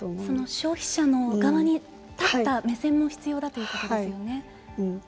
その消費者の側に立った目線も必要だということですよね。